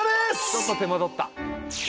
ちょっと手間取った。